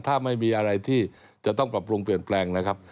ถ้าไม่มีอะไรที่จะต้องปรับปรุงเปลี่ยนแปลงนะครับ